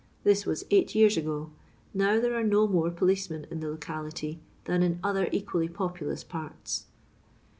This was eight years ago; now there are no more policemen in the locality than in other equally populous parts.